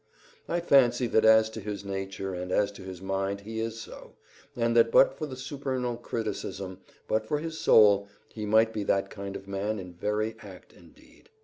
I fancy that as to his nature and as to his mind he is so, and that but for the supernal criticism, but for his soul, he might be that kind of man in very act and deed.